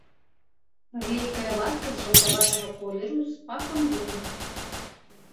Глейкая вадкасць жаўтаватага колеру з пахам ружы.